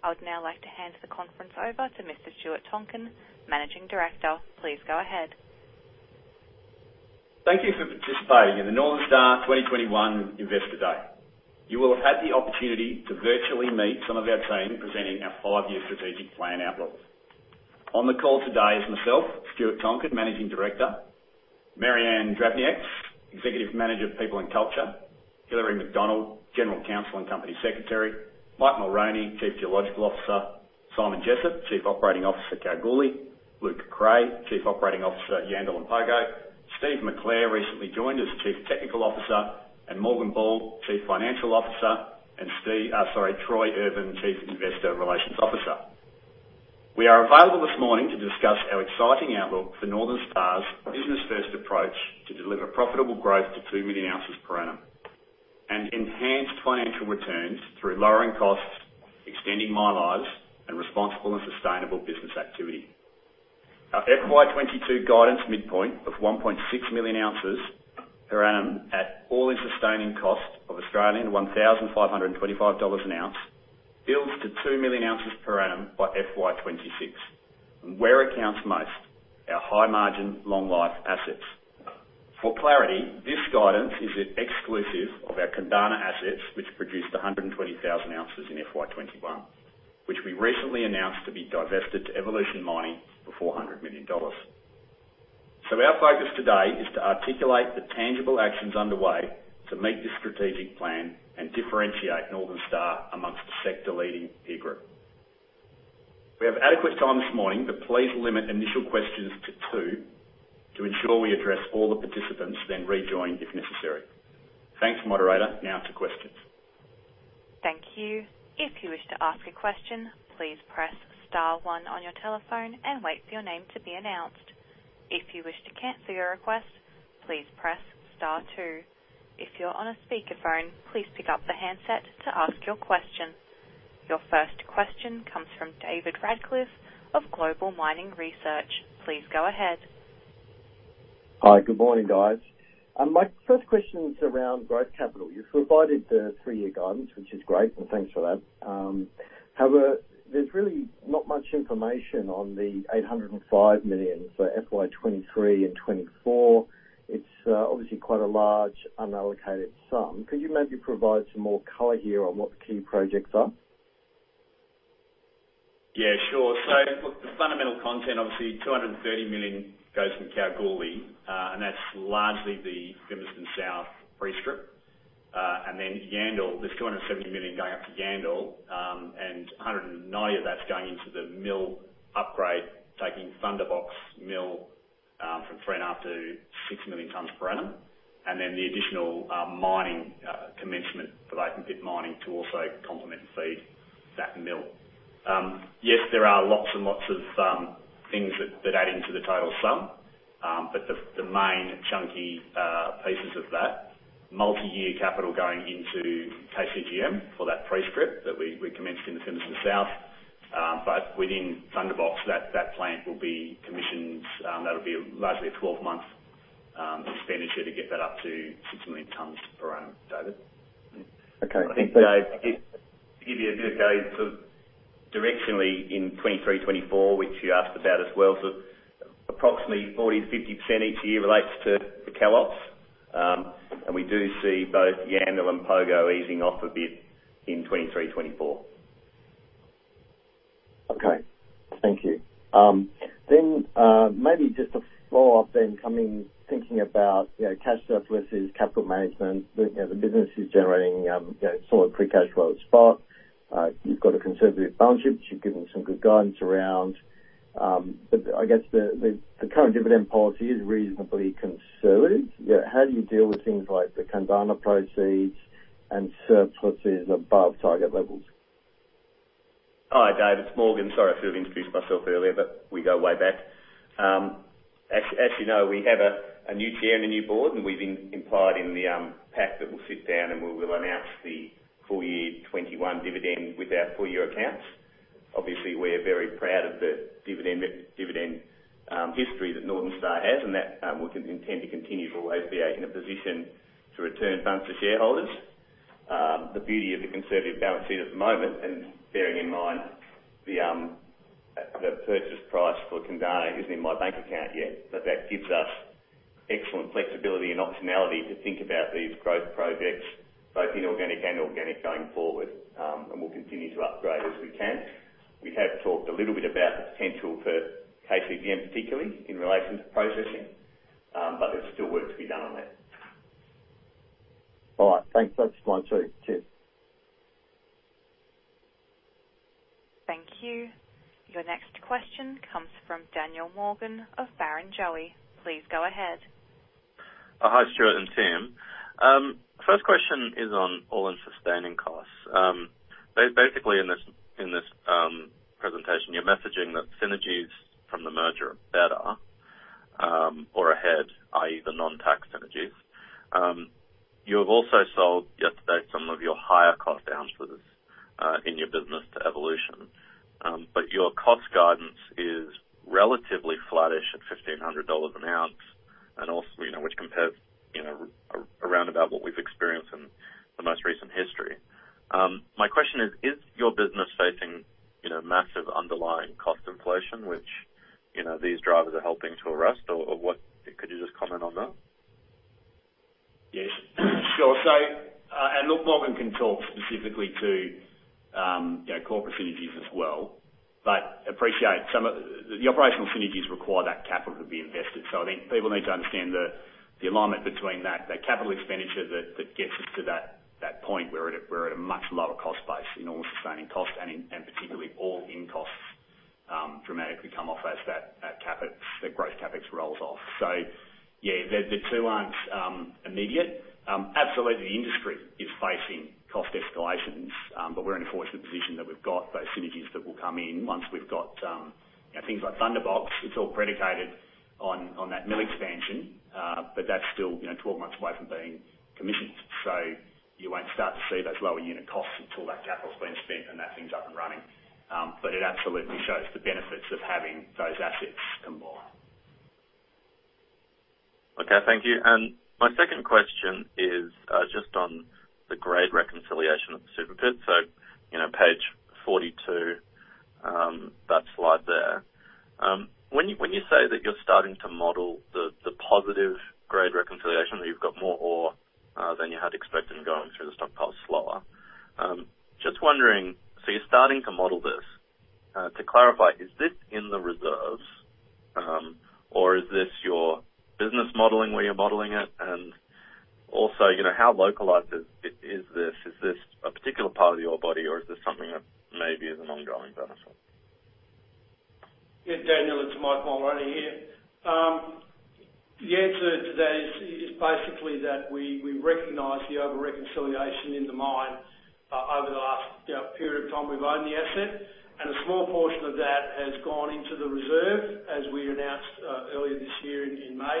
I would now like to hand the conference over to Mr. Stuart Tonkin, Managing Director. Please go ahead. Thank you for participating in the Northern Star 2021 Investor Day. You will have had the opportunity to virtually meet some of our team presenting our five-year strategic plan outlook. On the call today is myself, Stuart Tonkin, Managing Director. Mary Anne Dravnieks, Executive Manager of People and Culture. Hilary Macdonald, General Counsel and Company Secretary. Mike Mulroney, Chief Geological Officer. Simon Jessop, Chief Operating Officer, Kalgoorlie. Luke Creagh, Chief Operating Officer, Yandal and Pogo. Steve McClare, recently joined as Chief Technical Officer, and Morgan Ball, Chief Financial Officer, and Steve, sorry, Troy Irvin, Chief Investor Relations Officer. We are available this morning to discuss our exciting outlook for Northern Star's business-first approach to deliver profitable growth to 2 million ounces per annum, and enhance financial returns through lowering costs, extending mine lives, and responsible and sustainable business activity. Our FY 2022 guidance midpoint of 1.6 million ounces per annum at all-in sustaining cost of 1,525 Australian dollars an ounce builds to 2 million ounces per annum by FY 2026, and where it counts most, our high margin, long life assets. For clarity, this guidance is exclusive of our Kundana assets, which produced 120,000 ounces in FY 2021, which we recently announced to be divested to Evolution Mining for 400 million dollars. Our focus today is to articulate the tangible actions underway to meet this strategic plan and differentiate Northern Star amongst the sector-leading peer group. We have adequate time this morning, but please limit initial questions to two to ensure we address all the participants, then rejoin if necessary. Thanks, moderator. Now, to questions. Your first question comes from David Radclyffe of Global Mining Research. Please go ahead. Hi. Good morning, guys. My first question is around growth capital. You've provided the three-year guidance, which is great, and thanks for that. There's really not much information on the 805 million for FY 2023 and 2024. It's obviously quite a large unallocated sum. Could you maybe provide some more color here on what the key projects are? Yeah, sure. Look, the fundamental content, obviously 230 million goes from Kalgoorlie, and that's largely the Fimiston South pre-strip. Yandal, there's 270 million going up to Yandal, 190 of that's going into the mill upgrade, taking Thunderbox mill from 3.5 to 6 million tons per annum. The additional mining commencement for open pit mining to also complement and feed that mill. Yes, there are lots and lots of things that add into the total sum. The main chunky pieces of that multiyear capital going into KCGM for that pre-strip that we commenced in the Fimiston South. Within Thunderbox, that plant will be commissioned. That'll be largely a 12-month expenditure to get that up to 6 million tons per annum, David. Okay. I think, Dave, to give you a good gauge of directionally in 2023, 2024, which you asked about as well, approximately 40%-50% each year relates to the Kal ops. We do see both Yandal and Pogo easing off a bit in 2023, 2024. Okay. Thank you. Maybe just to follow up then coming, thinking about cash surplus and capital management. The business is generating solid free cash flow at the spot. You've got a conservative balance sheet. You've given some good guidance around I guess, the current dividend policy is reasonably conservative, yet how do you deal with things like the Kundana proceeds and surpluses above target levels? Hi, David. It's Morgan. Sorry I failed to introduce myself earlier, but we go way back. As you know, we have a new chair and a new board, and we've implied in the pack that we'll sit down and we'll announce the full year 2021 dividend with our full year accounts. Obviously, we're very proud of the dividend history that Northern Star has and that we intend to continue to always be in a position to return funds to shareholders. The beauty of the conservative balance sheet at the moment, and bearing in mind the purchase price for Kundana isn't in my bank account yet, but that gives us excellent flexibility and optionality to think about these growth projects, both inorganic and organic going forward. We'll continue to upgrade as we can. We have talked a little bit about the potential for KCGM, particularly in relation to processing, but there's still work to be done on that. All right. Thanks. That's one, two. Cheers. Thank you. Your next question comes from Daniel Morgan of Barrenjoey. Please go ahead. Hi, Stuart and team. First question is on all-in sustaining costs. Basically, in this presentation, you're messaging that synergies from the merger better are or ahead of even on tax synergies. You have also soaked up some of your higher cost ounce for this in your business evolution, your cost guidance is relatively flattish at 1,500 dollars an ounce, which compares around about what we've experienced in the most recent history. My question is your business facing massive underlying cost inflation, which these drivers are helping to arrest? What, if you could just comment on that? Yes. Sure. Look, Morgan can talk specifically to corporate synergies as well, but appreciate some of the operational synergies require that capital to be invested. I think people need to understand the alignment between that capital expenditure that gets us to that point. We're at a much lower cost base in all-in sustaining costs, and particularly all-in costs dramatically come off as that growth CapEx rolls off. Yeah, the two aren't immediate. Absolutely, the industry is facing cost escalations. We're in a fortunate position that we've got those synergies that will come in once we've got things like Thunderbox. It's all predicated on that mill expansion. That's still 12 months away from being commissioned. You won't start to see those lower unit costs until that capital's been spent and that thing's up and running. It absolutely shows the benefits of having those assets combined. Okay, thank you. My second question is just on the grade reconciliation of Super Pit. Page 42, that slide there. When you say that you're starting to model the positive grade reconciliation, where you've got more ore than you had expected going through the stockpile flow. Just wondering, you're starting to model this? To clarify, is this in the reserves? Is this your business modeling, where you're modeling it? Also, how localized is this? Is this a particular part of your ore body or is this something that maybe is an ongoing benefit? Yeah, Daniel, it's Mike Mulroney here. The answer to that is basically that we recognize the over-reconciliation in the mine over the last period of time we've owned the asset, and a small portion of that has gone into the reserve, as we announced earlier this year in May.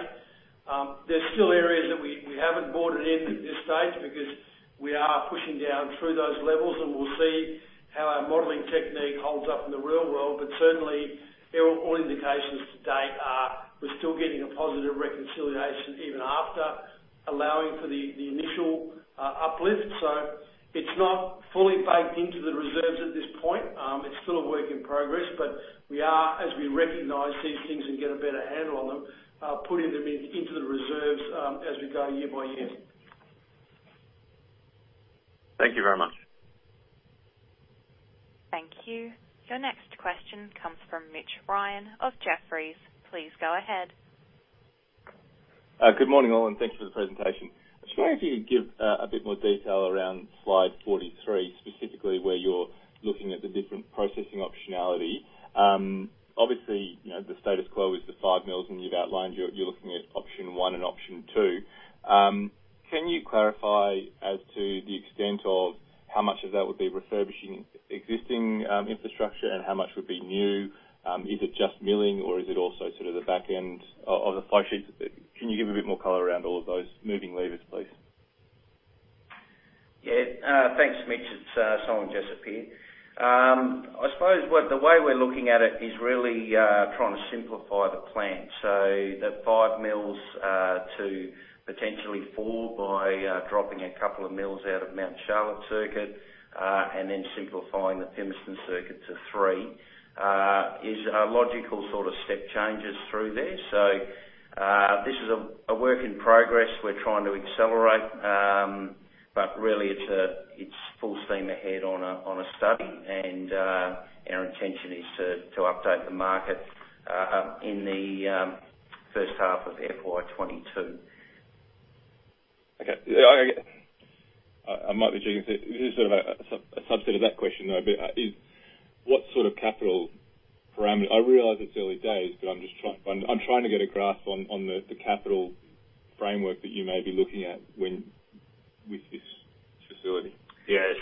There's still areas that we haven't brought it in at this stage because we are pushing down through those levels, and we'll see how our modeling technique holds up in the real world. Certainly, all indications to date are we're still getting a positive reconciliation even after allowing for the initial uplift. It's not fully baked into the reserves at this point. It's still a work in progress, but we are, as we recognize these things and get a better handle on them, putting them into the reserves as we go year by year. Thank you very much. Thank you. Your next question comes from Mitch Ryan of Jefferies. Please go ahead. Good morning, all, and thanks for the presentation. I was wondering if you could give a bit more detail around slide 43, specifically where you're looking at the different processing optionality. Obviously, the status quo is the five mills, and you've outlined you're looking at option one and option two. Can you clarify as to the extent of how much of that would be refurbishing existing infrastructure and how much would be new? Is it just milling or is it also sort of the back end of the flow sheet? Can you give a bit more color around all of those moving levers, please? Yeah. Thanks, Mitch. It's Simon Jessop here. I suppose the way we're looking at it is really trying to simplify the plant. The five mills to potentially four by dropping a couple of mills out of Mount Charlotte circuit, and then simplifying the Pemberton circuit to three, is a logical sort of step changes through there. This is a work in progress we're trying to accelerate. Really it's full steam ahead on a study and our intention is to update the market in the first half of FY 2022. Okay. I might be digging. This is sort of a subset of that question, though, is what sort of capital parameters? I realize it's early days, but I'm trying to get a grasp on the capital framework that you may be looking at with this facility. Yes.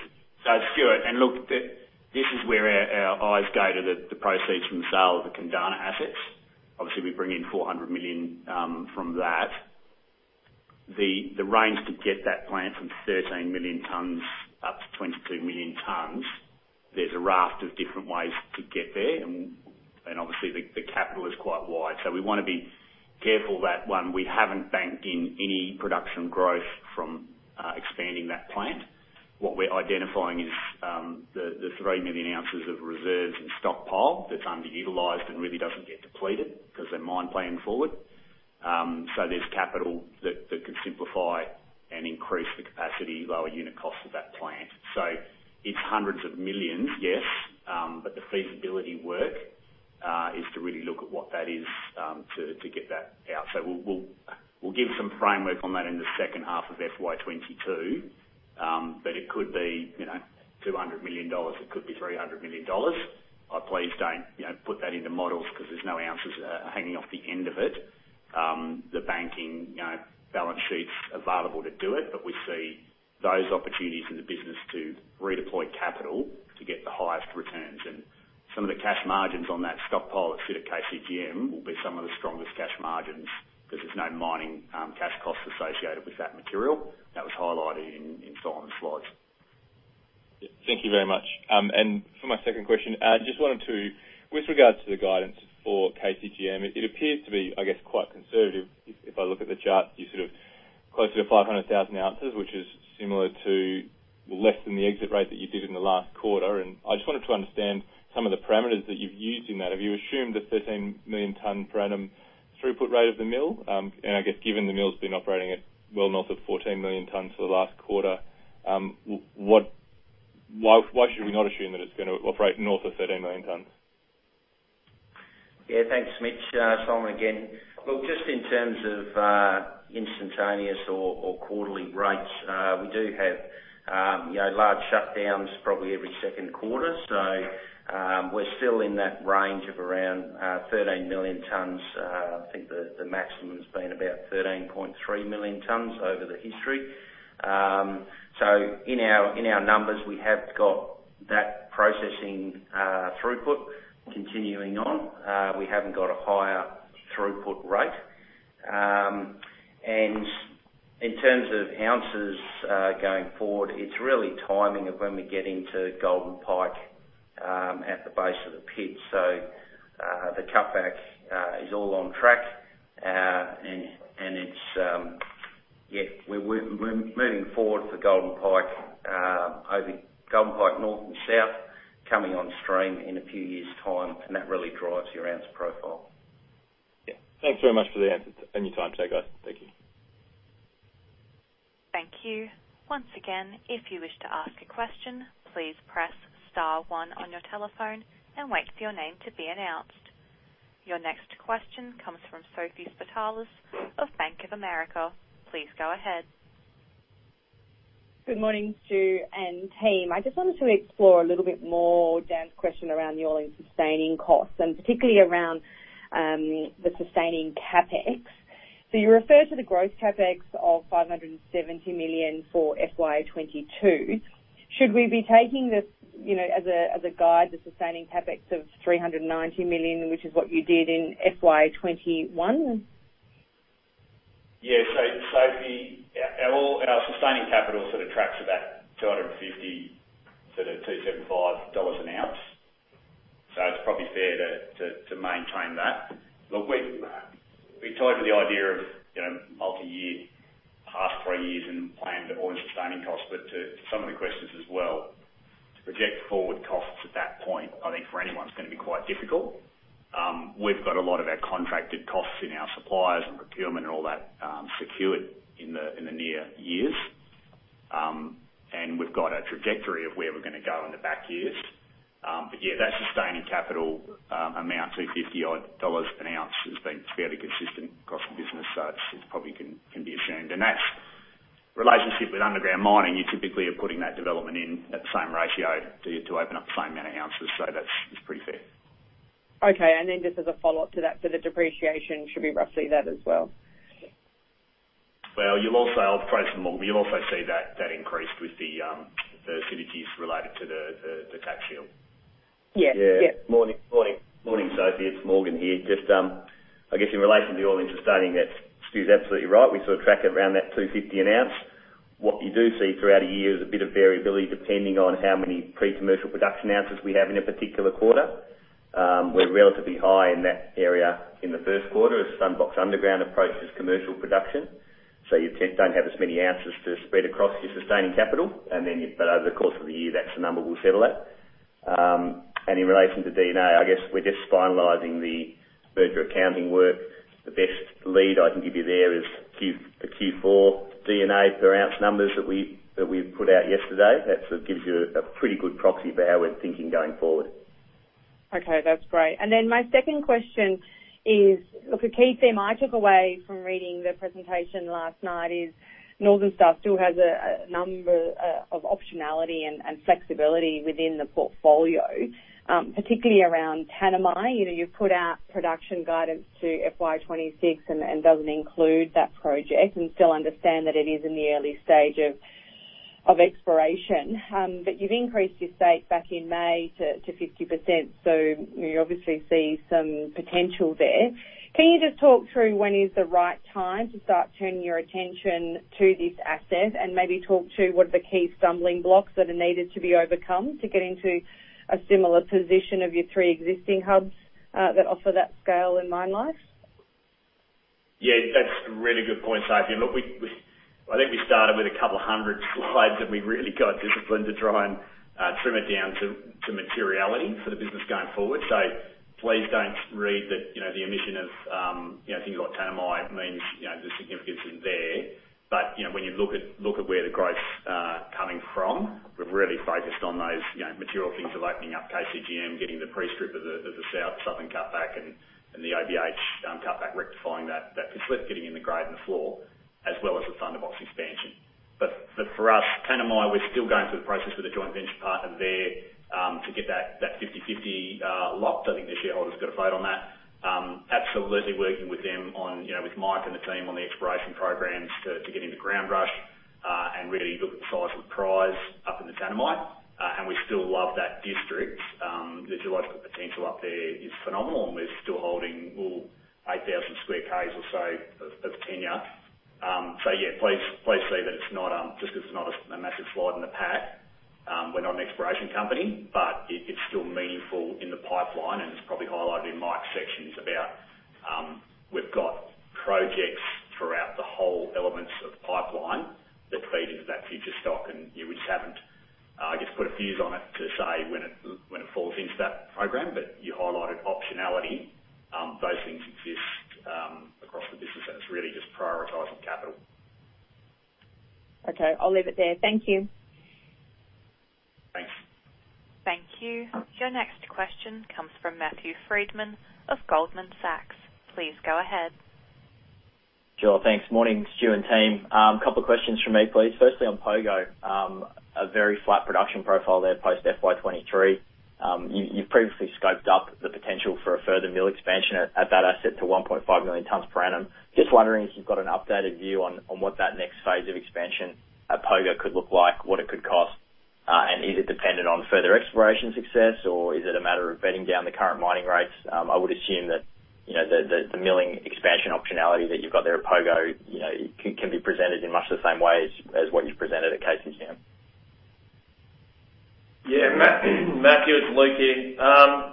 Stuart, and look, this is where I've gated the proceeds from the sale of the Kundana assets. Obviously, we bring in 400 million from that. The range to get that plant from 13 million tons up to 22 million tons, there's a raft of different ways to get there, and obviously the capital is quite wide. We want to be careful that, one, we haven't banked in any production growth from expanding that plant. What we're identifying is the 3 million ounces of reserves and stockpile that's underutilized and really doesn't get depleted because they're mine planned forward. There's capital that could simplify and increase the capacity, lower unit cost of that plant. It's hundreds of millions, yes. The feasibility work is to really look at what that is to get that out. We'll give some framework on that in the second half of FY22. It could be 200 million dollars, it could be 300 million dollars. Please don't put that into models because there's no ounces hanging off the end of it. The banking balance sheet's available to do it, but we see those opportunities in the business to redeploy capital to get the highest returns. Some of the cash margins on that stockpile at KCGM will be some of the strongest cash margins because there's no mining cash costs associated with that material. That was highlighted in Simon's slides. Yeah. Thank you very much. For my second question, I just wanted to, with regards to the guidance for KCGM, it appears to be, I guess, quite conservative. If I look at the chart, you sort of close to 500,000 ounces, which is similar to less than the exit rate that you did in the last quarter. I just wanted to understand some of the parameters that you've used in that. Have you assumed a 13 million ton per annum throughput rate of the mill? I guess given the mill's been operating at well north of 14 million tons for the last quarter, why should we not assume that it's going to operate north of 13 million tons? Thanks, Mitch. Simon again. Just in terms of instantaneous or quarterly rates, we do have large shutdowns probably every second quarter. We're still in that range of around 13 million tons. I think the maximum's been about 13.3 million tons over the history. In our numbers, we have got that processing throughput continuing on. We haven't got a higher throughput rate. In terms of ounces going forward, it's really timing of when we get into Golden Pike at the base of the pit. The cutback is all on track. We're moving forward for Golden Pike. Golden Pike North and South coming on stream in a few years' time, and that really drives your ounce profile. Yeah. Thanks very much for the answer and your time today, guys. Thank you. Thank you. Once again, if you wish to ask a question, please press star one on your telephone and wait for your name to be announced. Your next question comes from Sophie Spartalis of Bank of America. Please go ahead. Good morning, Stu and team. I just wanted to explore a little bit more Dan's question around the all-in sustaining costs, and particularly around the sustaining CapEx. You refer to the growth CapEx of 570 million for FY 2022. Should we be taking this as a guide, the sustaining CapEx of 390 million, which is what you did in FY 2021? Yeah. Sophie, our sustaining capital sort of tracks at that 250-275 dollars an ounce. It's probably fair to maintain that. Look, we're tied to the idea of multi-year, past three years and planned all-in sustaining costs. To some of the questions as well, to project forward costs at that point, I think for anyone, it's going to be quite difficult. We've got a lot of our contracted costs in our suppliers and procurement and all that, secured in the near years. We've got a trajectory of where we're going to go in the back years. Yeah, that sustaining capital amount, 250-odd dollars an ounce, has been fairly consistent across the business, so it probably can be assumed. That relationship with underground mining, you typically are putting that development in at the same ratio to open up the same amount of ounces. That's pretty fair. Okay. Just as a follow-up to that, the depreciation should be roughly that as well? You'll also see that increase with the synergies related to the tax shield. Yeah. Morning, Sophie, it's Morgan here. I guess in relation to the all-in sustaining, that Stu's absolutely right. We sort of track it around that 250 an ounce. What you do see throughout a year is a bit of variability depending on how many pre-commercial production ounces we have in a particular quarter. We're relatively high in that area in the 1st quarter as Thunderbox Underground approaches commercial production. You don't have as many ounces to spread across your sustaining capital. Over the course of the year, that's the number we'll settle at. In relation to D&A, I guess we're just finalizing the merger accounting work. The best lead I can give you there is the Q4 D&A per ounce numbers that we put out yesterday. That sort of gives you a pretty good proxy for how we're thinking going forward. Okay, that's great. My second question is, look, a key theme I took away from reading the presentation last night is Northern Star still has a number of optionality and flexibility within the portfolio, particularly around Tanami. You've put out production guidance to FY26 and doesn't include that project. We still understand that it is in the early stage of exploration. You've increased your stake back in May to 50%, so you obviously see some potential there. Can you just talk through when is the right time to start turning your attention to this asset? Maybe talk to what are the key stumbling blocks that are needed to be overcome to get into a similar position of your three existing hubs, that offer that scale and mine life? Yeah, that's a really good point, Sophie. Look, I think we started with a couple of 100 slides, we really got disciplined to try and trim it down to materiality for the business going forward. Please don't read that the omission of things like Tanami means the significance isn't there. When you look at where the growth's coming from, we've really focused on those material things of opening up KCGM, getting the pre-strip of the Fimiston South cutback and the OBH cutback, rectifying that pit slip, getting in the grade and the floor, as well as the Thunderbox expansion. For us, Tanami, we're still going through the process with a joint venture partner there, to get that 50/50 locked. I think the shareholders have got to vote on that. Absolutely working with them, with Mike and the team on the exploration programs to get into Groundrush. Really look at the size of the prize up in the Tanami. We still love that district. The geological potential up there is phenomenal, and we are still holding 8,000 square km or so of tenure. Please see that just because it is not a massive slide in the pack, we are not an exploration company. It is still meaningful in the pipeline, and as probably highlighted in Mike Mulroney's section, is about, we have got projects throughout the whole elements of the pipeline that feed into that future stock, and we just have not, I guess, put a fuse on it to say when it falls into that program. You highlighted optionality. Those things exist across the business, and it is really just prioritizing capital. Okay, I'll leave it there. Thank you. Thanks. Thank you. Your next question comes from Matthew Frydman of Goldman Sachs. Please go ahead. Sure. Thanks. Morning, Stuart Tonkin and team. A couple of questions from me, please. Firstly, on Pogo. A very flat production profile there, post FY 2023. You've previously scoped up the potential for a further mill expansion at that asset to 1.5 million tons per annum. Just wondering if you've got an updated view on what that next phase of expansion at Pogo could look like, what it could cost, and is it dependent on further exploration success, or is it a matter of bedding down the current mining rates? I would assume that, the milling expansion optionality that you've got there at Pogo, can be presented in much the same way as what you've presented at Carosue Dam. Yeah, Matthew, it's Luke here.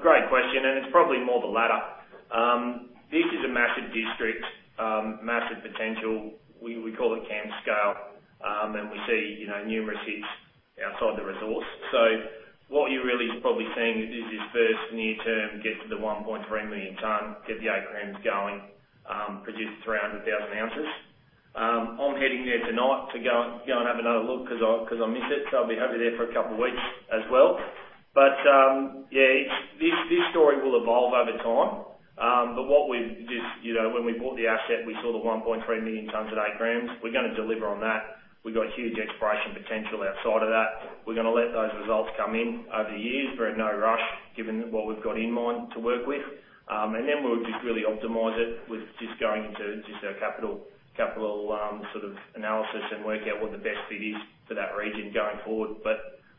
Great question. It's probably more the latter. This is a massive district, massive potential. We call it camp scale, and we see numerous hits outside the resource. What you're really probably seeing is this first near term, get to the 1.3 million ton, get the 8 g going, produce 300,000 ounces. I'm heading there tonight to go and have another look because I miss it, so I'll be over there for a couple of weeks as well. Yeah, this story will evolve over time. When we bought the asset, we saw the 1.3 million tons at 8 g. We're going to deliver on that. We've got huge exploration potential outside of that. We're going to let those results come in over the years. We're in no rush given what we've got in mine to work with. We'll just really optimize it with just going into just our capital sort of analysis and work out what the best fit is for that region going forward.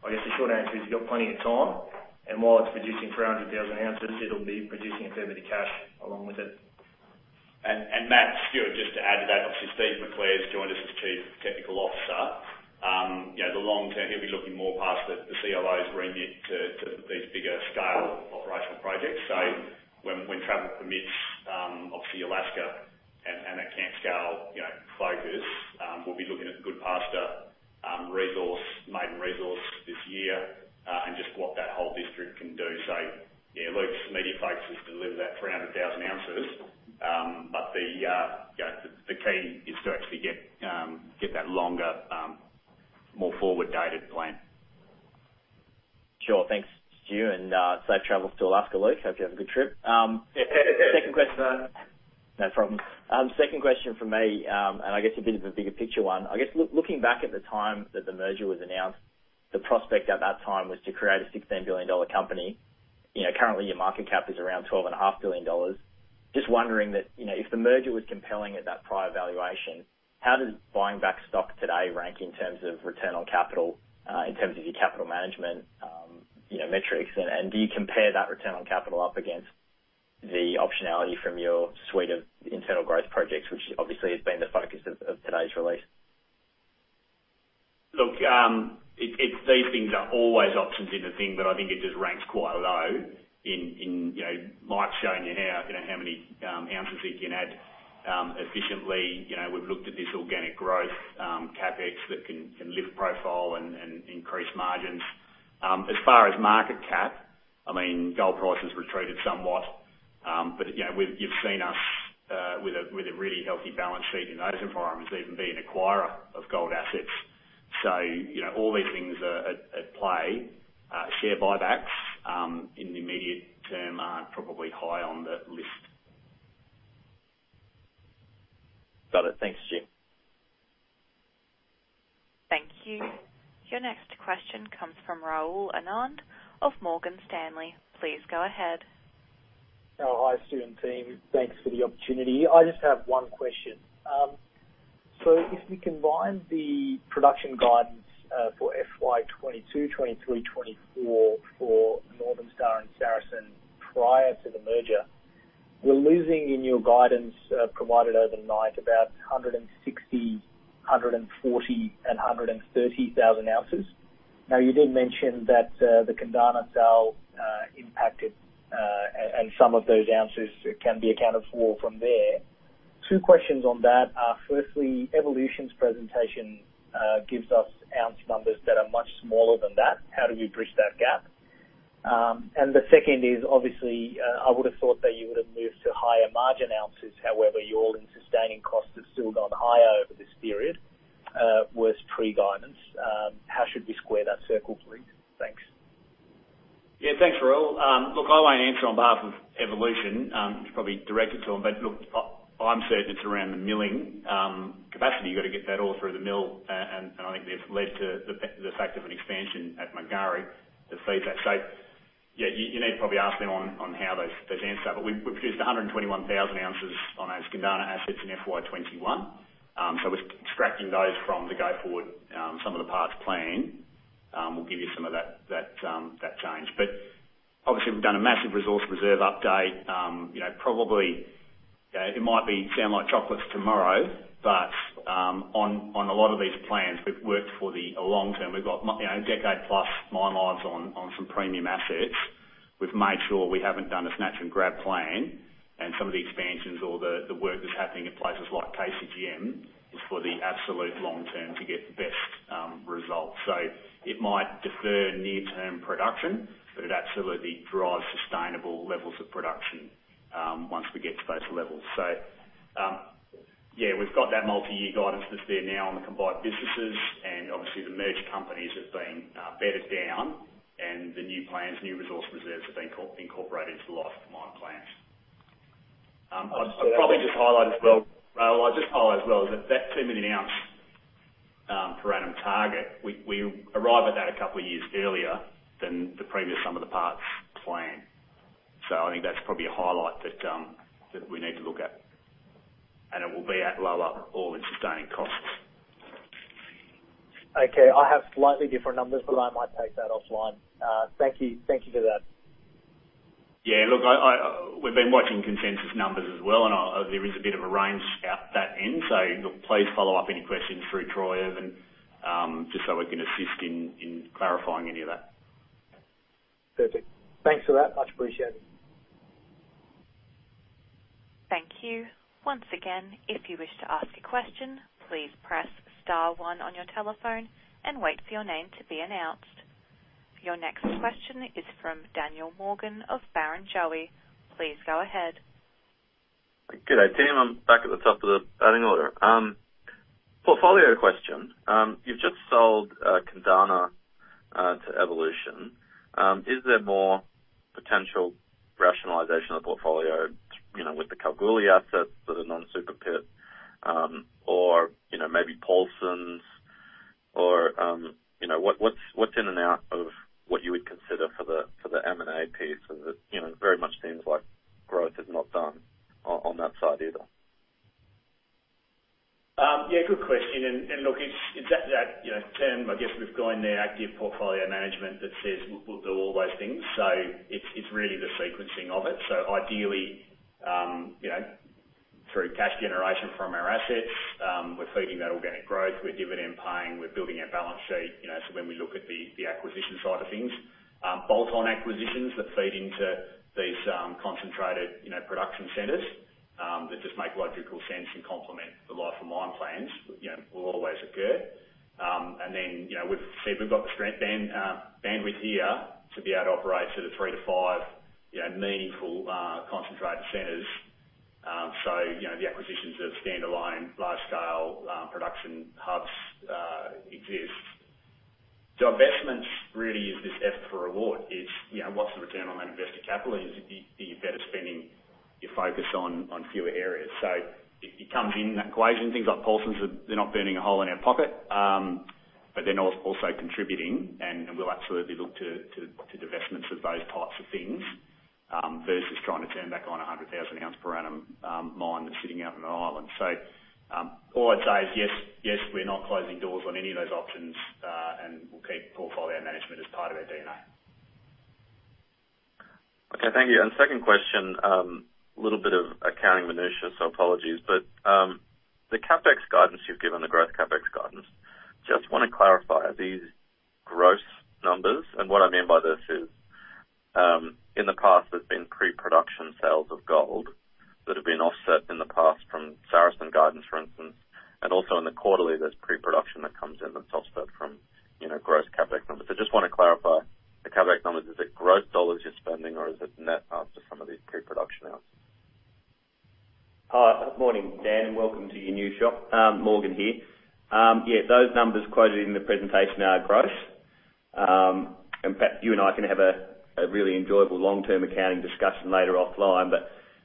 I guess the short answer is you've got plenty of time, and while it's producing 300,000 ounces, it'll be producing a fair bit of cash along with it. Matt, Stuart Tonkin, just to add to that, obviously, Steven McClare's joined us as the Chief Technical Officer. The long term, he'll be looking more past the CLO's remit to these bigger scale operational projects. When travel permits, obviously Alaska and that camp scale focus, we'll be looking at Goodpaster maiden resource this year, and just what that whole district can do. Yeah, Luke Creagh's immediate focus is to deliver that 300,000 ounces. The key is to actually get that longer, more forward-dated plan. Sure. Thanks, Stu, and safe travels to Alaska, Luke. Hope you have a good trip. Yeah. Second question. No problem. Second question from me. I guess a bit of a bigger picture one. I guess, looking back at the time that the merger was announced, the prospect at that time was to create an 16 billion dollar company. Currently, your market cap is around 12.5 billion dollars. Just wondering that, if the merger was compelling at that prior valuation, how does buying back stock today rank in terms of return on capital, in terms of your capital management metrics, and do you compare that return on capital up against the optionality from your suite of internal growth projects, which obviously has been the focus of today's release? Look, these things are always options in the thing. I think it just ranks quite low in how many ounces Mike's shown you he can add efficiently. We've looked at this organic growth CapEx that can lift profile and increase margins. As far as market cap, gold prices retreated somewhat. You've seen us, with a really healthy balance sheet in those environments, even be an acquirer of gold assets. All these things are at play. Share buybacks, in the immediate term, aren't probably high on the list. Got it. Thanks, Stu. Thank you. Your next question comes from Rahul Anand of Morgan Stanley. Please go ahead. Oh, hi, Stu and team. Thanks for the opportunity. I just have one question. If we combine the production guidance for FY 2022, FY 2023, FY 2024 for Northern Star and Saracen prior to the merger, we're losing in your guidance provided overnight about 160, 140 and 130,000 ounces. You did mention that the Kundana sale impacted, and some of those ounces can be accounted for from there. Two questions on that are, firstly, Evolution's presentation gives us ounce numbers that are much smaller than that. How do you bridge that gap? The second is, obviously, I would've thought that you would've moved to higher margin ounces, however, your all-in sustaining costs have still gone higher over this period, post-pre-guidance. How should we square that circle, please? Thanks. Yeah, thanks, Rahul. Look, I won't answer on behalf of Evolution. You should probably direct it to them. Look, I'm certain it's around the milling capacity. You've got to get that all through the mill, and I think that's led to the fact of an expansion at Mungari that feeds that. You need to probably ask them on how those [inaudible] are. We produced 121,000 ounces on those Kundana assets in FY21. We're extracting those from the go-forward, sum of the parts plan. We'll give you some of that change. Obviously, we've done a massive resource reserve update. It might sound like chocolates tomorrow, but on a lot of these plans, we've worked for the long-term. We've got a decade plus mine lives on some premium assets. We've made sure we haven't done a snatch and grab plan. Some of the expansions or the work that's happening in places like KCGM is for the absolute long-term to get the best results. It might defer near-term production, but it absolutely drives sustainable levels of production once we get to those levels. Yeah, we've got that multi-year guidance that's there now on the combined businesses, and obviously the merged companies have been bedded down, and the new plans, new resource reserves have been incorporated into the life of mine plans. I'd probably just highlight as well, that 2 million ounce per annum target, we arrive at that a couple of years earlier than the previous sum of the parts plan. I think that's probably a highlight that we need to look at. It will be at lower all-in sustaining costs. Okay. I have slightly different numbers, but I might take that offline. Thank you for that. Yeah, look, we've been watching consensus numbers as well, and there is a bit of a range out that end. Look, please follow up any questions through Troy Irvin, just so we can assist in clarifying any of that. Perfect. Thanks for that. Much appreciated. Thank you. Your next question is from Daniel Morgan of Barrenjoey. Please go ahead. Good day, team. I'm back at the top of the batting order. Portfolio question. You've just sold Kundana to Evolution. Is there more potential rationalization of portfolio, with the Kalgoorlie asset for the non-Super Pit, or maybe Paulsens? What's in and out of what you would consider for the M&A piece? It very much seems like growth is not done on that side either. Yeah, good question. Look, it's that term, I guess, we've got in there, active portfolio management that says we'll do all those things. It's really the sequencing of it. Ideally, through cash generation from our assets, we're feeding that organic growth. We're dividend paying. We're building our balance sheet. When we look at the acquisition side of things, bolt-on acquisitions that feed into these concentrated production centers, that just make logical sense and complement the life of mine plans, will always occur. We've said we've got the strength bandwidth here to be able to operate sort of three to five meaningful concentrated centers. The acquisitions of standalone large scale production hubs exist. Divestments really is this F for reward. It's what's the return on that invested capital? Are you better spending your focus on fewer areas? It comes in that equation. Things like Paulsens, they're not burning a hole in our pocket, but they're also contributing. We'll absolutely look to divestments of those types of things, versus trying to turn back on 100,000 ounce per annum mine that's sitting out on an island. All I'd say is, yes, we're not closing doors on any of those options, and we'll keep portfolio management as part of our DNA. Okay. Thank you. Second question, a little bit of accounting minutia, so apologies. The CapEx guidance you've given, the growth CapEx guidance, just want to clarify, are these gross numbers? What I mean by this is, in the past, there's been pre-production sales of gold that have been offset in the past from Saracen guidance, for instance, and also in the quarterly, there's pre-production that comes in that's offset from gross CapEx numbers. I just want to clarify the CapEx numbers. Is it gross dollars you're spending or is it net after some of these pre-production ounces? Hi. Good morning, Daniel Morgan. Welcome to your new shop. Morgan Ball here. Yeah, those numbers quoted in the presentation are gross. In fact, you and I can have a really enjoyable long-term accounting discussion later offline.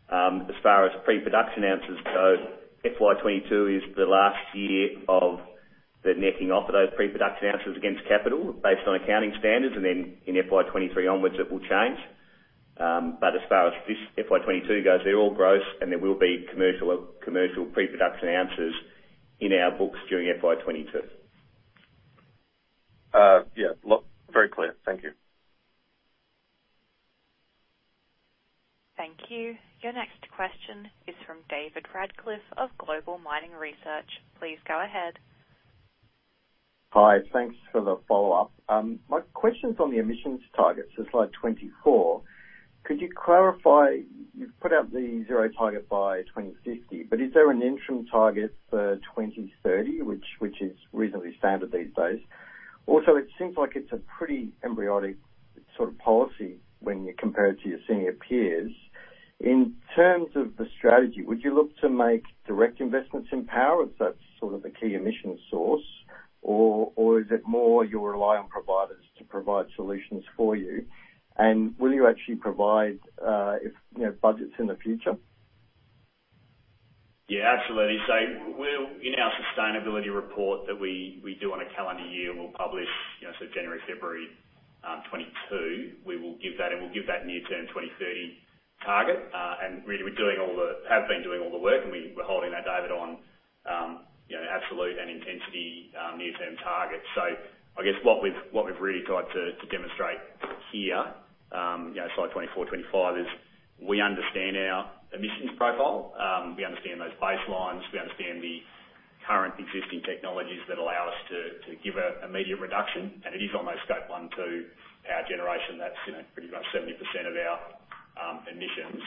As far as pre-production ounces go, FY 2022 is the last year of the necking off of those pre-production ounces against capital based on accounting standards, and then in FY 2023 onwards, it will change. As far as this FY 2022 goes, they're all gross and there will be commercial pre-production ounces in our books during FY 2022. Yeah. Very clear. Thank you. Thank you. Your next question is from David Radclyffe of Global Mining Research. Please go ahead. Hi. Thanks for the follow-up. My question's on the emissions targets, so slide 24. Could you clarify, you've put out the zero target by 2050, but is there an interim target for 2030, which is reasonably standard these days? Also, it seems like it's a pretty embryonic sort of policy when you compare it to your senior peers. In terms of the strategy, would you look to make direct investments in power if that's sort of the key emissions source? Is it more you rely on providers to provide solutions for you? Will you actually provide budgets in the future? Yeah, absolutely. In our sustainability report that we do on a calendar year, we'll publish January, February 2022. We will give that near-term 2030 target. Really, we have been doing all the work, and we're holding that, David, on absolute and intensity near-term targets. I guess what we've really tried to demonstrate here, slide 24, 25, is we understand our emissions profile. We understand those baselines. We understand the current existing technologies that allow us to give an immediate reduction. It is almost Scope 1, 2 power generation that's pretty much 70% of our emissions.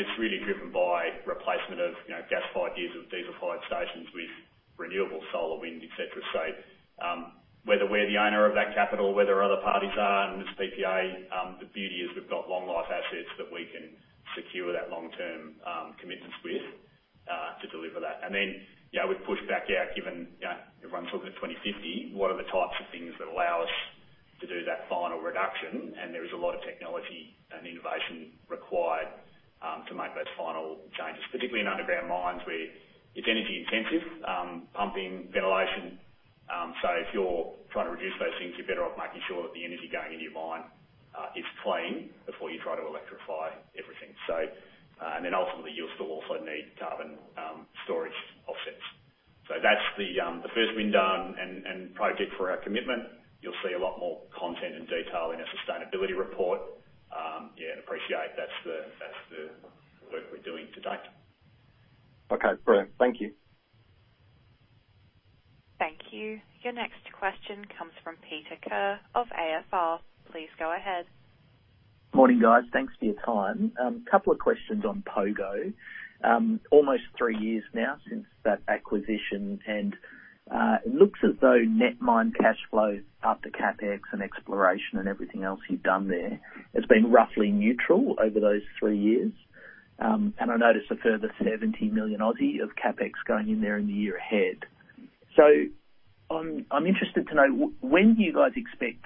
It's really driven by replacement of gas-fired or diesel-fired stations with renewable solar, wind, et cetera. Whether we're the owner of that capital, whether other parties are, and there's PPA, the beauty is we've got long life assets that we can secure that long-term commitments with to deliver that. We've pushed back out, given everyone's looking at 2050, what are the types of things that allow us to do that final reduction? There is a lot of technology and innovation required to make those final changes, particularly in underground mines where it's energy intensive, pumping, ventilation. If you're trying to reduce those things, you're better off making sure that the energy going into your mine is clean before you try to electrify everything. Ultimately, you'll still also need carbon storage offsets. That's the first window and project for our commitment. You'll see a lot more content and detail in our sustainability report. Yeah, appreciate that's the work we're doing to date. Okay, brilliant. Thank you. Thank you. Your next question comes from Peter Ker of AFR. Please go ahead. Morning, guys. Thanks for your time. Couple of questions on Pogo. Almost three years now since that acquisition, it looks as though net mine cash flows after CapEx and exploration and everything else you've done there, has been roughly neutral over those three years. I notice a further 70 million of CapEx going in there in the year ahead. I'm interested to know, when do you guys expect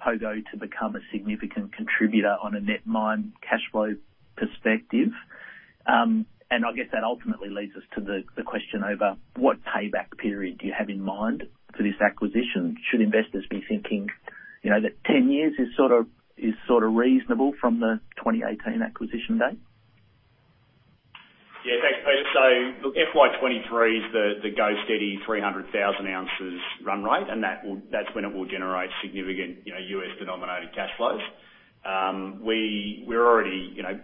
Pogo to become a significant contributor on a net mine cash flow perspective? I guess that ultimately leads us to the question over what payback period do you have in mind for this acquisition? Should investors be thinking that 10 years is sort of reasonable from the 2018 acquisition date? Yeah, thanks, Peter. Look, FY2023 is the go steady 300,000 ounces run rate, and that's when it will generate significant U.S. denominated cash flows.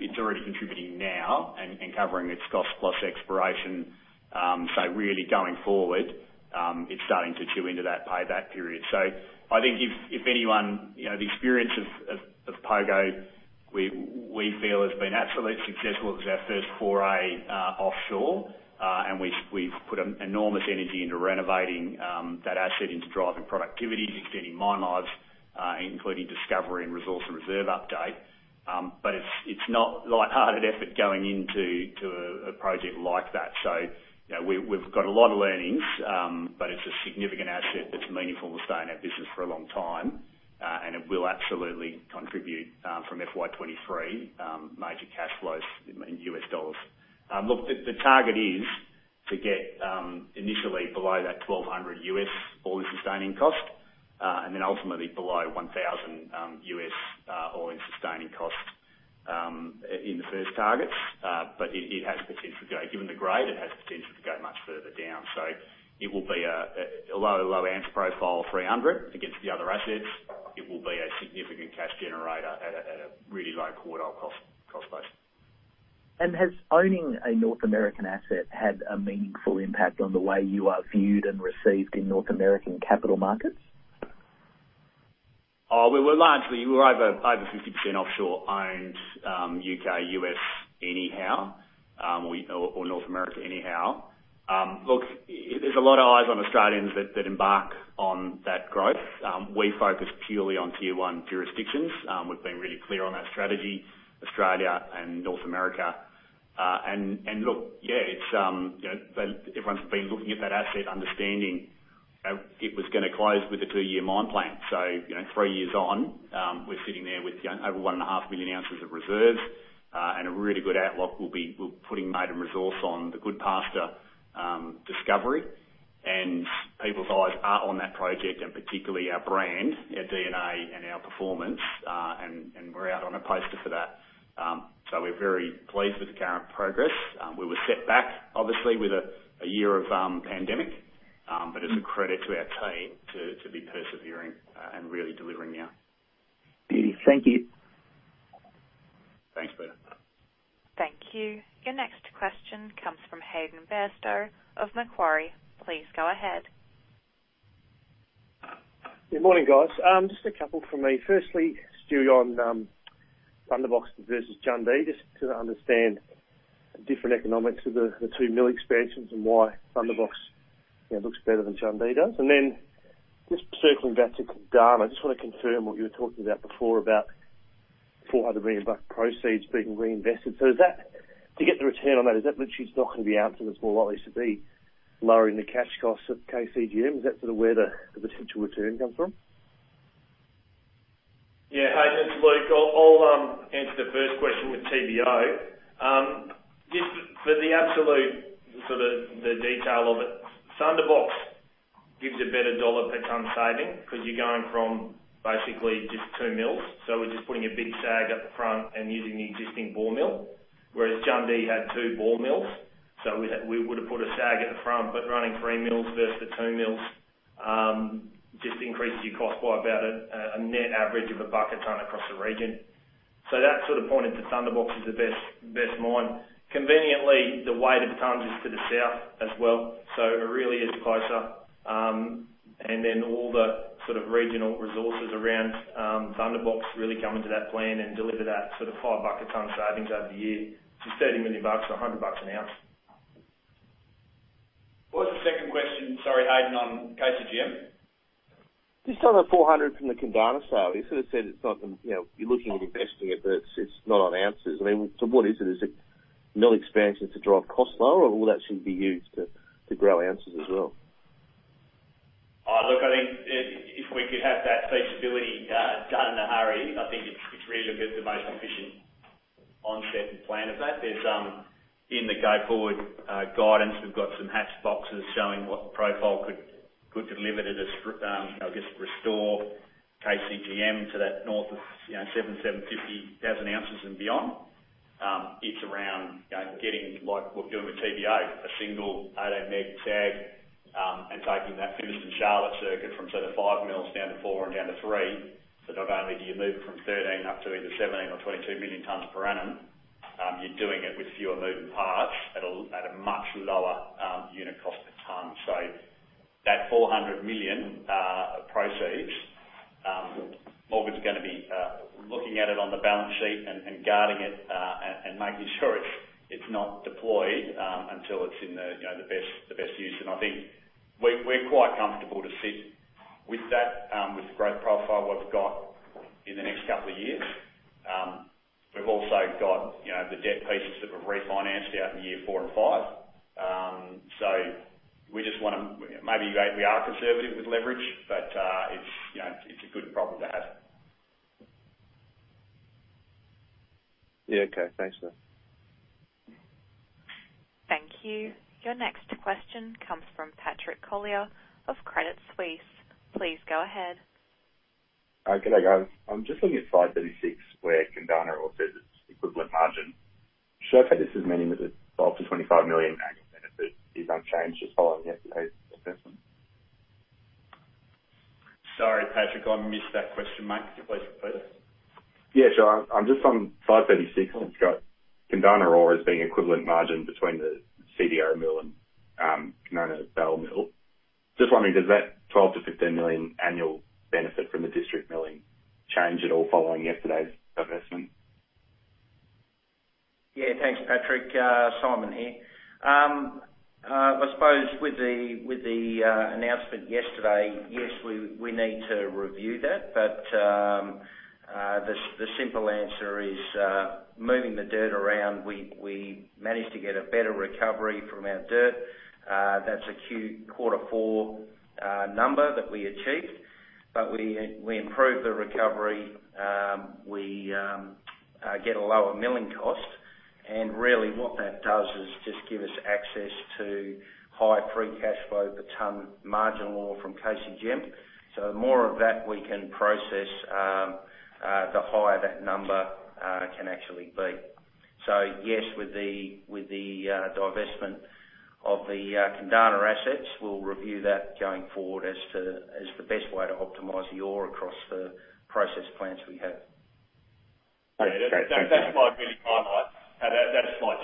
It's already contributing now and covering its cost plus exploration. Really going forward, it's starting to chew into that payback period. I think if anyone, the experience of Pogo, we feel has been absolutely successful. It was our first foray offshore. We've put enormous energy into renovating that asset, into driving productivity, extending mine lives, including discovery and resource and reserve update. It's not light-hearted effort going into a project like that. We've got a lot of learnings, it's a significant asset that's meaningful to stay in our business for a long time. It will absolutely contribute, from FY2023, major cash flows in U.S. dollars. The target is to get initially below that $1,200 U.S. all-in sustaining cost, and then ultimately below $1,000 U.S. all-in sustaining cost in the first targets. Given the grade, it has potential to go much further down. It will be a low, low asset profile of 300 against the other assets. It will be a significant cash generator at a really low quartile cost base. Has owning a North American asset had a meaningful impact on the way you are viewed and received in North American capital markets? We were largely over 50% offshore owned, U.K., U.S. anyhow, or North America anyhow. There's a lot of eyes on Australians that embark on that growth. We focus purely on Tier 1 jurisdictions. We've been really clear on our strategy, Australia and North America. Everyone's been looking at that asset understanding it was going to close with a two-year mine plan. Three years on, we're sitting there with over 1.5 million ounces of reserves, and a really good outlook. We'll be putting maiden resource on the Goodpaster discovery, people's eyes are on that project and particularly our brand, our DNA, and our performance. We're out on a poster for that. We're very pleased with the current progress. We were set back, obviously, with a year of pandemic. It's a credit to our team to be persevering and really delivering now. Beauty. Thank you. Thanks, Peter. Thank you. Your next question comes from Hayden Bairstow of Macquarie. Please go ahead. Good morning, guys. Just a couple from me. Firstly, Stuart, on Thunderbox versus Jundee, just because I understand different economics of the two mill expansions and why Thunderbox looks better than Jundee does. Circling back to Ghana, I just want to confirm what you were talking about before about 400 million bucks proceeds being reinvested. To get the return on those, that means you're stocking the ounces more likely to be lowering the cash costs at KCGM. Do you think that's where the potential return come from? Yeah. Hey, it's Luke. I'll answer the first question with TBO. Just for the absolute detail of it, Thunderbox gives a better AUD per ton saving because you're going from basically just two mills. We're just putting a big SAG at the front and using the existing ball mill, whereas Jundee had two ball mills. We would've put a SAG at the front, but running three mills versus the two mills, just increases your cost by about a net average of AUD 1 a ton across the region. That sort of pointed to Thunderbox as the best mine. Conveniently, the weighted tonnes is to the south as well, so it really is closer. All the sort of regional resources around Thunderbox really come into that plan and deliver that sort of 5 a ton savings over the year to 30 million bucks, or 100 bucks an ounce. What was the second question, sorry, Hayden, on KCGM? Just on the 400 million from the Kundana sale, you said you're looking at investing it, but it's not on ounces. What is it? Is it mill expansion to drive costs lower? Will that simply be used to grow ounces as well? Look, I think if we could have that feasibility done in a hurry, I think it's really the most efficient onset and plan of that. In the go forward guidance, we've got some hatched boxes showing what the profile could deliver to restore KCGM to that north of 750,000 ounces and beyond. It's around getting, like we're doing with TBO, a single 18 MW SAG, and taking that Fimiston in Mount Charlotte circuit from sort of five mills down to four and down to three. Not only do you move from 13 up to either 17 or 22 million tons per annum, you're doing it with fewer moving parts at a much lower unit cost per ton. That 400 million of proceeds, Morgan Ball's gonna be looking at it on the balance sheet and guarding it, and making sure it's not deployed, until it's in the best use. I think we're quite comfortable to sit with that with the growth profile we've got in the next two years. We've also got the debt pieces that we've refinanced out in year four and five. Maybe we are conservative with leverage, but it's a good problem to have. Yeah. Okay. Thanks, Morgan. Thank you. Your next question comes from Patrick Collier of Credit Suisse. Please go ahead. Hi. Good day, guys. I'm just looking at slide 36 where Kundana ore says its equivalent margin. Should I take this as meaning that the 12 million-25 million MAG benefit is unchanged just following yesterday's divestment? Sorry, Patrick, I missed that question, mate. Could you please repeat it? Yeah, sure. I'm just on slide 36. It's got Kundana ore as being equivalent margin between the Carosue Dam mill and Kundana ball mill. Just wondering, does that 12 million-15 million annual benefit from the district milling change at all following yesterday's divestment? Yeah, thanks, Patrick. Simon here. I suppose with the announcement yesterday, yes, we need to review that. The simple answer is, moving the dirt around, we managed to get a better recovery from our dirt. That's a Q quarter four number that we achieved. We improved the recovery. Really what that does is just give us access to higher free cash flow per ton marginal ore from KCGM. The more of that we can process, the higher that number can actually be. Yes, with the divestment of the Kundana assets, we'll review that going forward as the best way to optimize the ore across the process plants we have. Okay. Great. Thank you. That slide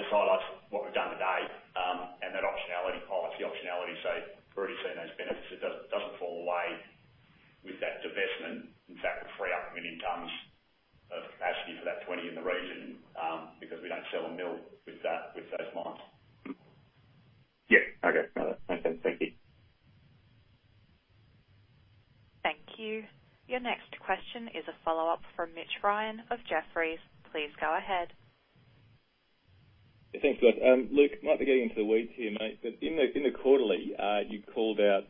just highlights what we've done today. That optionality pilots the optionality, so we've already seen those benefits. It doesn't fall away with that divestment. In fact, we free up 1 million tons of capacity for that 20 in the region, because we don't sell a mill with those mines. Yeah. Okay. No. Thank you. Thank you. Your next question is a follow-up from Mitch Ryan of Jefferies. Please go ahead. Yeah, thanks. Luke, might be getting into the weeds here, mate, but in the quarterly, you called out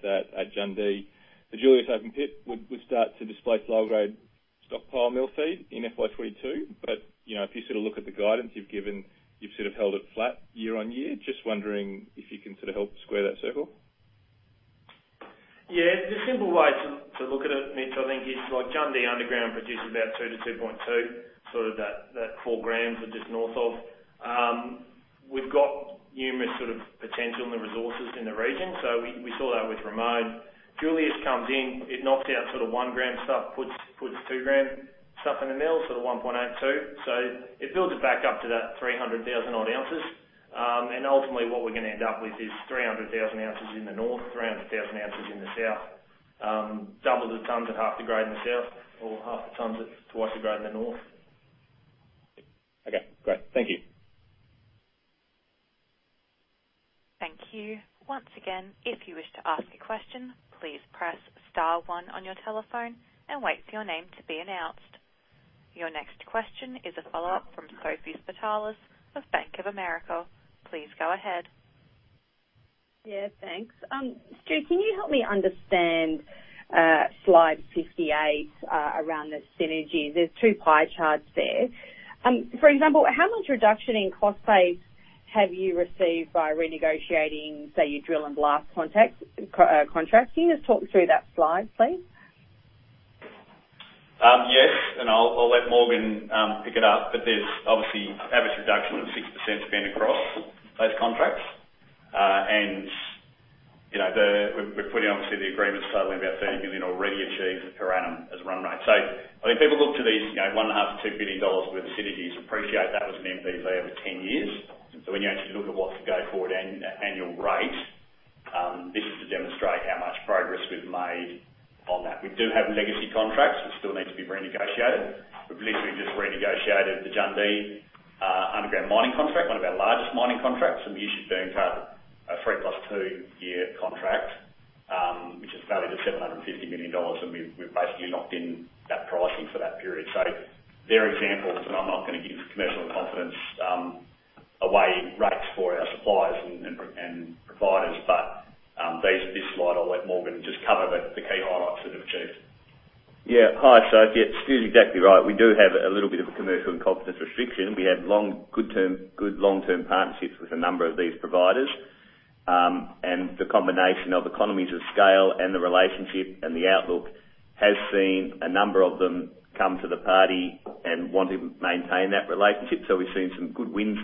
that at Jundee, the Julius open pit would start to displace low-grade stockpile mill feed in FY 2022. If you look at the guidance you've given, you've sort of held it flat year-on-year. Just wondering if you can sort of help square that circle. Yeah. The simple way to look at it, Mitch, I think, is Jundee underground produces about 2-2.2, sort of that 4 g or just north of. We've got numerous sort of potential in the resources in the region. We saw that with Ramone. Julius comes in, it knocks out sort of 1 gram stuff, puts 2 g stuff in the mill, so the 1.82. It builds it back up to that 300,000 odd ounces. Ultimately what we're gonna end up with is 300,000 ounces in the north, 300,000 ounces in the south. Double the tonnes at half the grade in the south or half the tonnes at twice the grade in the north. Okay, great. Thank you. Thank you. Your next question is a follow-up from Sophie Spartalis of Bank of America. Please go ahead. Yeah, thanks. Stu, can you help me understand slide 58 around the synergy? There are two pie charts there. For example, how much reduction in cost base have you received by renegotiating, say, your drill and blast contracts? Can you just talk through that slide, please? Yes, I'll let Morgan pick it up. There's obviously average reduction of 6% spend across those contracts. We're putting, obviously, the agreements totaling about 30 million already achieved per annum as run rate. I think people look to these, 1.5 billion-2 billion dollars worth of synergies, appreciate that was an NPV over 10 years. When you actually look at what's the go forward annual rate, this is to demonstrate how much progress we've made on that. We do have legacy contracts which still need to be renegotiated. We've literally just renegotiated the Jundee underground mining contract, one of our largest mining contracts, and the issue is being targeted a three plus two-year contract, which is valued at 750 million dollars and we've basically locked in that pricing for that period. They're examples, and I'm not going to give commercial in confidence away rates for our suppliers and providers. This slide, I'll let Morgan just cover the key highlights that we've achieved. Hi, Sophie. Stu's exactly right. We do have a little bit of a commercial in confidence restriction. We have good long-term partnerships with a number of these providers. The combination of economies of scale and the relationship and the outlook has seen a number of them come to the party and want to maintain that relationship. We've seen some good wins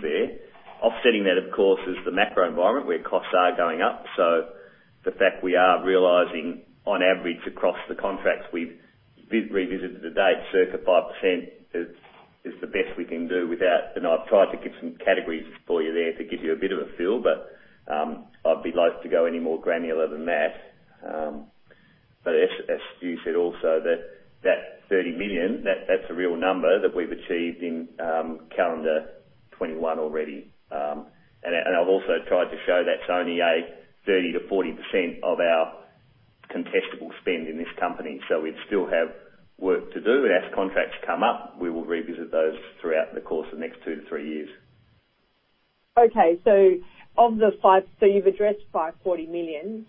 there. Offsetting that, of course, is the macro environment where costs are going up. The fact we are realizing on average across the contracts we've revisited to date, circa 5% is the best we can do. I've tried to give some categories for you there to give you a bit of a feel, but I'd be loath to go any more granular than that. As Stu said also, that 30 million, that's a real number that we've achieved in calendar 2021 already. I've also tried to show that's only a 30%-40% of our contestable spend in this company. We still have work to do, and as contracts come up, we will revisit those throughout the course of the next two to three years. Okay. You've addressed 540 million.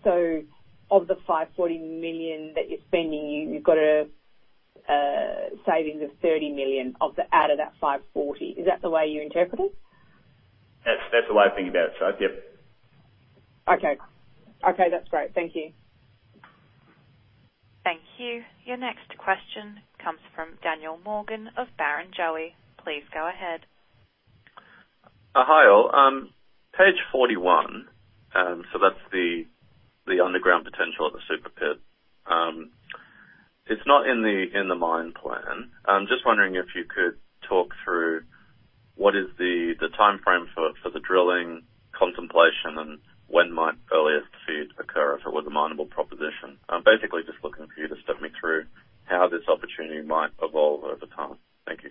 Of the 540 million that you're spending, you've got a savings of 30 million out of that 540. Is that the way you interpret it? That's the way I think about it, Soph. Yep. Okay. Okay, that's great. Thank you. Thank you. Your next question comes from Daniel Morgan of Barrenjoey. Please go ahead. Oh hi, page 41. That's the underground potential of the Super Pit. It's not in the mine plan. I'm just wondering if you could talk through what is the timeframe for the drilling contemplation and when might earliest feeds occur if it was a mineable proposition? I'm basically just looking for you to step me through how this opportunity might evolve over time. Thank you.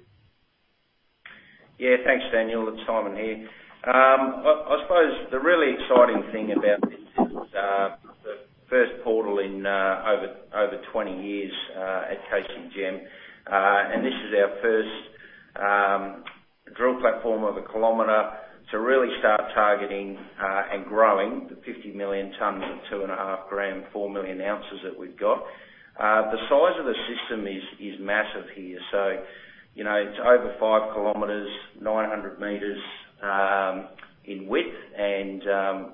Thanks, Daniel. It's Simon here. I suppose the really exciting thing about this is the first portal in over 20 years at KCGM. This is our first drill platform of a kilometer to really start targeting and growing the 50 million tonnes of 2.5 g, 4 million ounces that we've got. The size of the system is massive here. It's over 5 km, 900 m in width. Our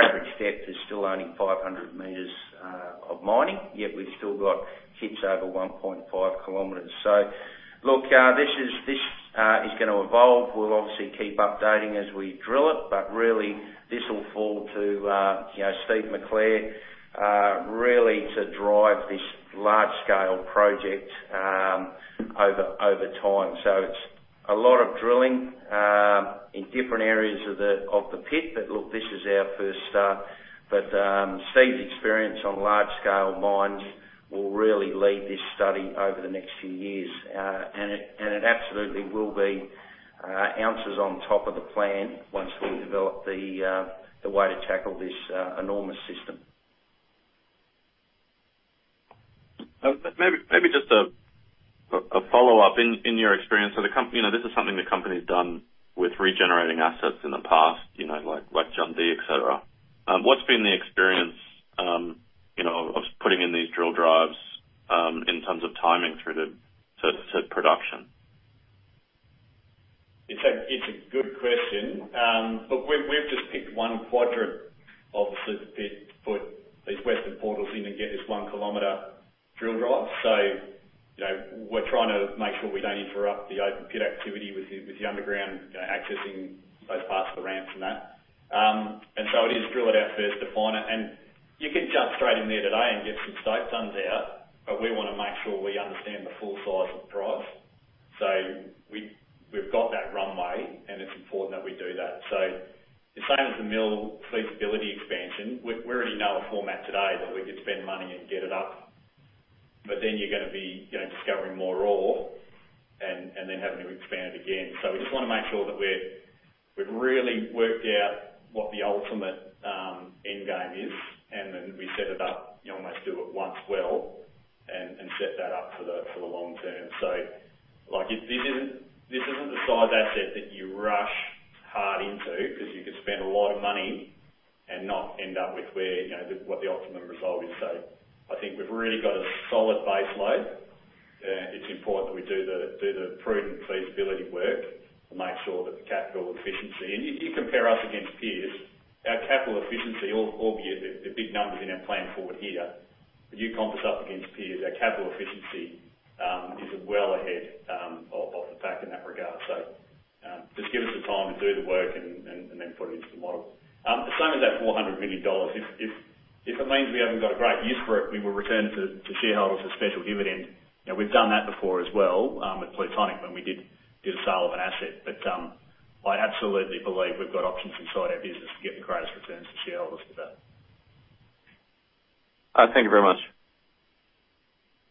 average depth is still only 500 m of mining, yet we've still got kits over 1.5 km. Look, this is gonna evolve. We'll obviously keep updating as we drill it. Really this will fall to Steven McClare to drive this large scale project over time. It's a lot of drilling, in different areas of the pit. Look, this is our first start. Steve's experience on large-scale mines will really lead this study over the next few years. It absolutely will be ounces on top of the plan once we develop the way to tackle this enormous system. Maybe just a follow-up. In your experience, this is something the company's done with regenerating assets in the past, like Jundee, et cetera. What's been the experience of putting in these drill drives in terms of timing through to production? It's a good question. Look, we've just picked one quadrant of the Super Pit to put these western portals in and get this 1-kilometer drill drive. We're trying to make sure we don't interrupt the open pit activity with the underground accessing those parts of the ramps and that. It is drill it out first, define it, and you can jump straight in there today and get some stope tonnes out. We want to make sure we understand the full size of the prize. We've got that runway, and it's important that we do that. The same as the mill feasibility expansion, we already know a format today that we could spend money and get it up, but then you're gonna be discovering more ore and then having to expand it again. We just want to make sure that we've really worked out what the ultimate end game is, and then we set it up, you almost do it once well and set that up for the long term. This isn't the size asset that you rush hard into because you could spend a lot of money and not end up with what the optimum result is. I think we've really got a solid base load. It's important that we do the prudent feasibility work to make sure that the capital efficiency. If you compare us against peers, our capital efficiency, albeit the big numbers in our plan forward here, but you compare us up against peers, our capital efficiency is well ahead of the pack in that regard. Just give us the time to do the work and then put it into the model. Same as that 400 million dollars. If it means we haven't got a great use for it, we will return it to shareholders as special dividends. We've done that before as well, with Plutonic, when we did a sale of an asset. I absolutely believe we've got options inside our business to get the greatest returns to shareholders for that. Thank you very much.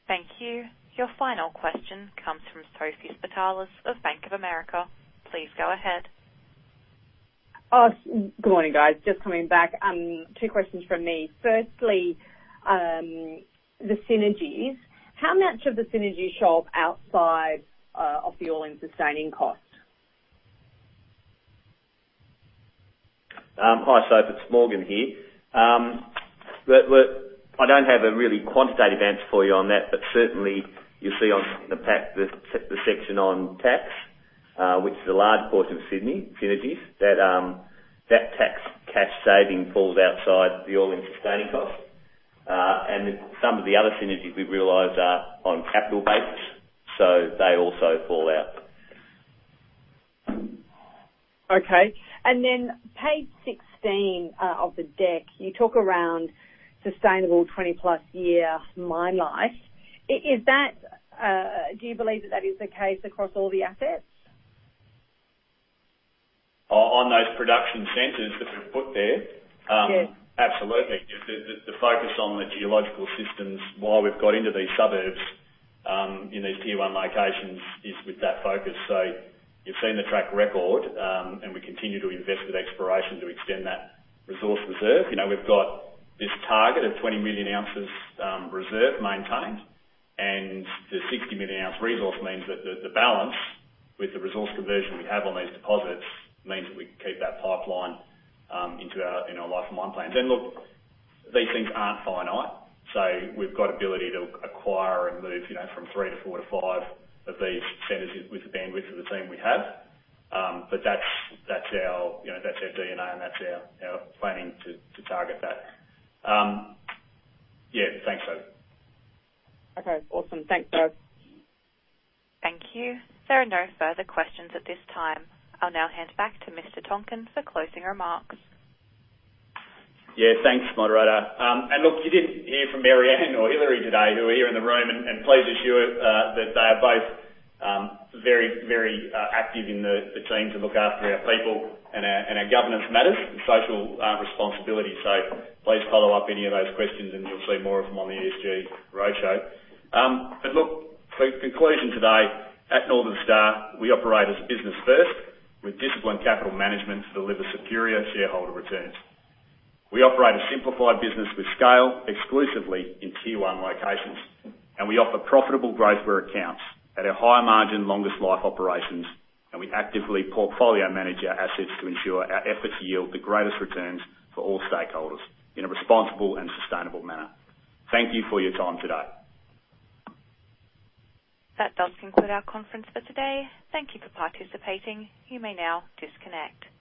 Thank you. Your final question comes from Sophie Spartalis of Bank of America. Please go ahead. Good morning, guys. Just coming back. Two questions from me. Firstly, the synergies. How much of the synergies show up outside of the all-in sustaining cost? Hi, Sophie Spartalis. It's Morgan Ball. I don't have a really quantitative answer for you on that, but certainly you see on the section on tax, which is a large portion of synergies, that tax cash saving falls outside the all-in sustaining cost. Some of the other synergies we realize are on a capital basis, so they also fall out. Okay. Then page 16 of the deck, you talk around sustainable 20-plus year mine life. Do you believe that is the case across all the assets? On those production centers that we've put there. Yes Absolutely. The focus on the geological systems, why we've got into these hubs in these Tier 1 locations is with that focus. You've seen the track record, and we continue to invest with exploration to extend that resource reserve. We've got this target of 20 million ounces reserve maintained, and the 60-million-ounce resource means that the balance with the resource conversion we have on these deposits means that we can keep that pipeline in our life of mine plans. Look, these things aren't finite, we've got ability to acquire and move from 3 to 4 to 5 of these centers with the bandwidth of the team we have. That's our DNA and that's our planning to target that. Yeah. Thanks, Sophie. Okay. Awesome. Thanks, guys. Thank you. There are no further questions at this time. I'll now hand back to Mr. Tonkin for closing remarks. Yeah, thanks, moderator. Look, you didn't hear from Maryanne or Hilary today, who are here in the room. Please assure that they are both very active in the teams that look after our people and our governance matters and social responsibility. Please follow up any of those questions, and you'll see more of them on the ESG roadshow. Look, for conclusion today, at Northern Star, we operate as a business first with disciplined capital management to deliver superior shareholder returns. We operate a simplified business with scale exclusively in tier 1 locations, and we offer profitable growth where it counts at our higher margin, longest life operations, and we actively portfolio manage our assets to ensure our efforts yield the greatest returns for all stakeholders in a responsible and sustainable manner. Thank you for your time today. That does conclude our conference for today. Thank you for participating. You may now disconnect.